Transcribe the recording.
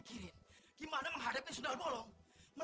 oke tapi apa dulu jenis orderannya